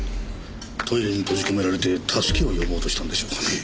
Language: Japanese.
トイレに閉じ込められて助けを呼ぼうとしたんでしょうかねえ。